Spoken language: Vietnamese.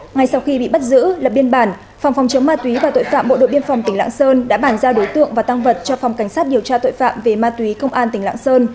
ngay sau khi bị bắt giữ lập biên bản phòng phòng chống ma túy và tội phạm bộ đội biên phòng tỉnh lạng sơn đã bàn giao đối tượng và tăng vật cho phòng cảnh sát điều tra tội phạm về ma túy công an tỉnh lạng sơn